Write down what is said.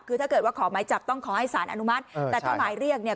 คือถ้าเกิดว่าขอหมายจับต้องขอให้สารอนุมัติแต่ถ้าหมายเรียกเนี่ย